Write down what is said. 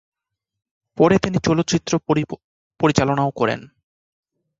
পরে তিনি চলচ্চিত্র পরিচালনাও করেন।